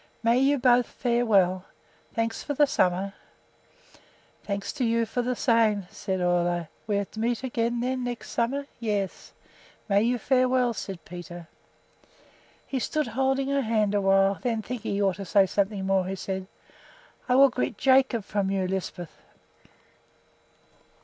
May you both fare well. Thanks for this summer." "Thanks to you for the same," said Ole. "We are to meet again, then, next summer?" "Yes." "May you fare well," said Peter. He stood holding her hand awhile; then, thinking he ought to say something more, he added, "I will greet Jacob from you, Lisbeth."